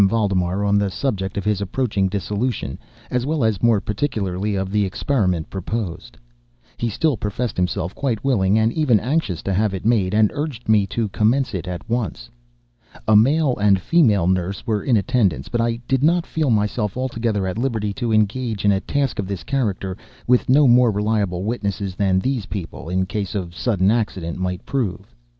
Valdemar on the subject of his approaching dissolution, as well as, more particularly, of the experiment proposed. He still professed himself quite willing and even anxious to have it made, and urged me to commence it at once. A male and a female nurse were in attendance; but I did not feel myself altogether at liberty to engage in a task of this character with no more reliable witnesses than these people, in case of sudden accident, might prove.